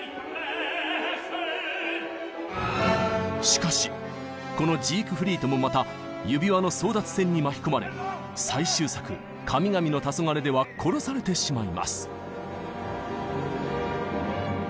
しかしこのジークフリートもまた指環の争奪戦に巻き込まれ最終作「神々のたそがれ」では殺されてしまいます。